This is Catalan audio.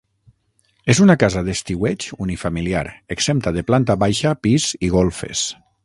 És una casa d'estiueig unifamiliar exempta de planta baixa, pis i golfes.